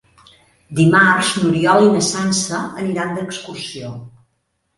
Dimarts n'Oriol i na Sança aniran d'excursió.